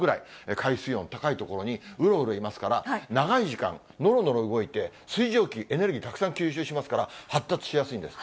海水温高い所にうろうろいますから、長い時間、のろのろ動いて、水蒸気、エネルギー、たくさん吸収しますから、発達しやすいんです。